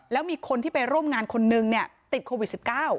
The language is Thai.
แล้วมีคนที่ไปร่วมงานคนนึงติดโควิด๑๙